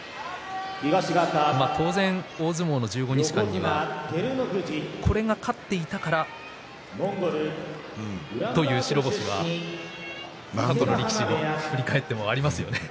大相撲の１５日間には勝っていたらという白星は何度力士は振り返ってもありますよね。